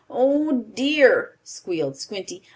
Oh dear!" squealed Squinty.